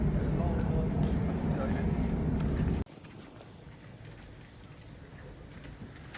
ผมไม่กล้าด้วยผมไม่กล้าด้วยผมไม่กล้าด้วย